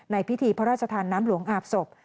พิธีพระราชทานน้ำหลวงอาบศพ